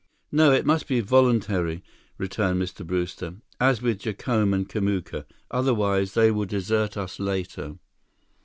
"No, it must be voluntary," returned Mr. Brewster, "as with Jacome and Kamuka. Otherwise, they will desert us later."